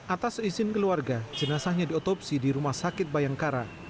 atas izin keluarga jenazahnya diotopsi di rumah sakit bayangkara